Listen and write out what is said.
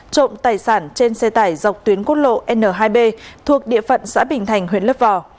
trộm tài sản trên xe tải dọc tuyến quốc lộ n hai b thuộc địa phận xã bình thành huyện lấp vò